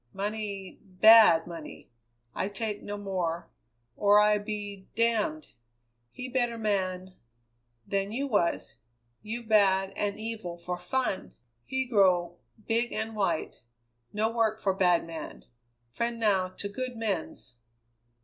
Money bad money. I take no more or I be damned! He better man than you was; you bad and evil, for fun he grow big and white. No work for bad man friend now to good mens.